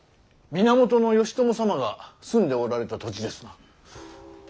源義朝様が住んでおられた土地ですな。